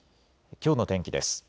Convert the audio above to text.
きょうの天気です。